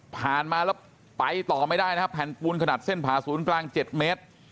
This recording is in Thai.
มาแล้วไปต่อไม่ได้นะครับแผ่นปูนขนาดเส้นผ่าศูนย์กลาง๗เมตร